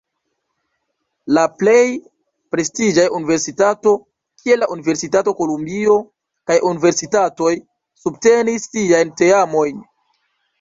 La plej prestiĝaj universitato, kiel la Universitato Kolumbio, kaj universitatoj subtenis siajn teamojn.